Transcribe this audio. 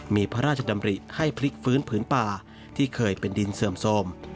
มีพระราชดำริให้พลิกฟื้นผืนป่าที่เคยเป็นดินเสื่อมโทรม